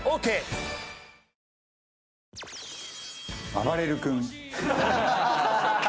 あばれる君。